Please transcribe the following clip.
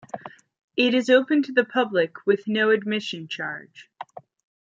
It is open to the public with no admission charge.